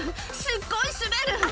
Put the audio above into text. すっごい滑る」